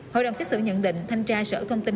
hội đồng xét xử nhận định thanh tra sở thông tin